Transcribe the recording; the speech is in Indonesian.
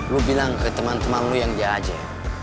lo bilang ke teman teman lo yang dia ajar